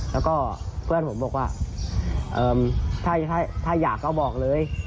แล้วก็เพื่อนผมบอกว่าถ้าอยากก็บอกเลย